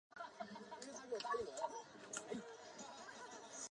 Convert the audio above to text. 马德朗热。